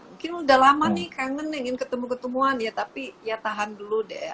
mungkin udah lama nih kangen yang ingin ketemu ketemuan ya tapi ya tahan dulu deh